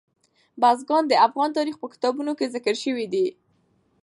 بزګان د افغان تاریخ په کتابونو کې ذکر شوی دي.